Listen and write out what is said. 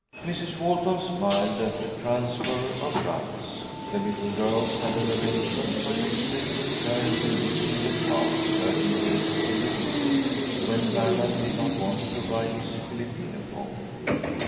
Mrs. Walton smiled at the transfer of rights. The little girls had an arrangement by which they took turns in using the cart certain days in the week, when Ranald did not want to ride his Filipino pony.